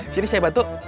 sini saya bantu